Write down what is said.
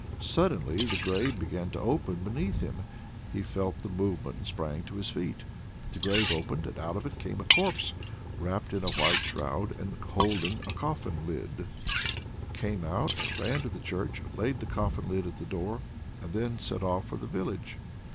Suddenly the grave began to open beneath him: he felt the movement and sprang to his feet. The grave opened, and out of it came a corpse wrapped in a white shroud, and holding a coffin lid came out and ran to the church, laid the coffin lid at the door, and then set off for the village.